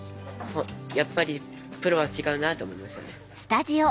やっぱりプロは違うなって思いましたね。